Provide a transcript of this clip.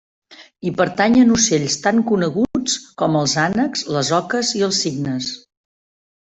Hi pertanyen ocells tan coneguts com els ànecs, les oques i els cignes.